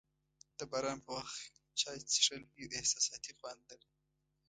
د باران په وخت چای څښل یو احساساتي خوند لري.